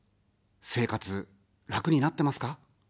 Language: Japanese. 生活、楽になってますか。